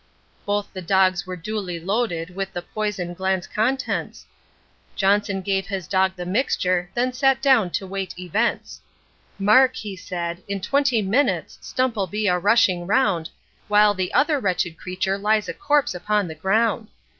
Both the dogs were duly loaded with the poison gland's contents; Johnson gave his dog the mixture, then sat down to wait events. 'Mark,' he said, 'in twenty minutes Stump'll be a rushing round, While the other wretched creature lies a corpse upon the ground.'